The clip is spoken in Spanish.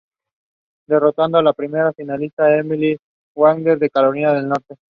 Derrotando a la primera finalista, Emily Wakeman de Carolina del Norte.